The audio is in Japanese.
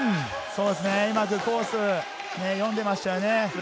うまくコースを読んでいました。